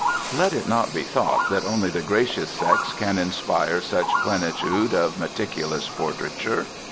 Let it not be thought that only the gracious sex can inspire such plenitude of meticulous portraiture!